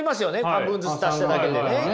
半分ずつ足しただけでね。